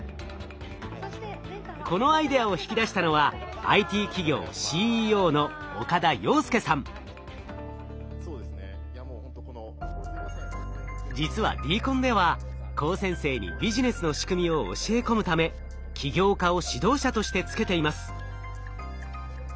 このアイデアを引き出したのはＩＴ企業ＣＥＯの実はＤＣＯＮでは高専生にビジネスの仕組みを教え込むため起業家を指導者としてつけています。